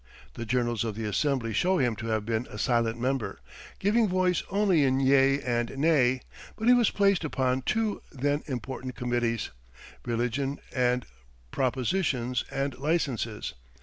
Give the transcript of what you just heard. The journals of the Assembly show him to have been a silent member, giving voice only in yea and nay; but he was placed upon two then important committees religion, and propositions and licenses.